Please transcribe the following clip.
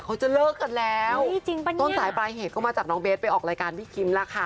เขาจะเลิกกันแล้วต้นสายปลายเหตุก็มาจากน้องเบสไปออกรายการพี่คิมแล้วค่ะ